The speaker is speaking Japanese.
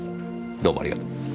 どうもありがとう。